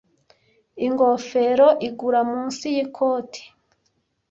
Ingofero igura munsi yikoti.